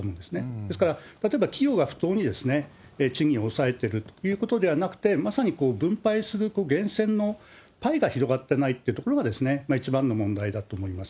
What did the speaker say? ですから、例えば企業が不当に賃金を抑えてるということではなくて、まさに分配する、源泉のパイが広がっていないということが一番の問題だと思います。